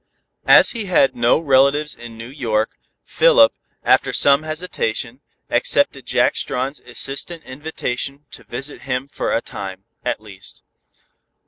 As he had no relatives in New York, Philip, after some hesitation, accepted Jack Strawn's insistent invitation to visit him for a time, at least.